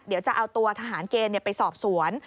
เดี๋ยวจะเอาตัวทหารเกณฑ์ไปสอบสวน